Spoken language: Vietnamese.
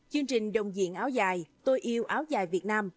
chương trình đồng diện áo dài tôi yêu áo dài việt nam